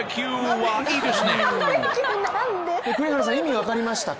栗原さん、意味分かりましたか？